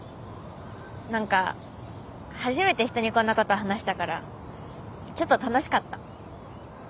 なんか初めて人にこんな事話したからちょっと楽しかった。